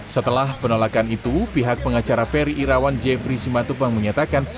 setelah penolakan itu pihak pengacara ferry irawan jeffrey simatupang menyatakan